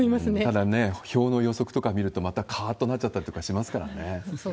ただ、票の予測とか見るとまた、かーっとなっちゃったりしますからね。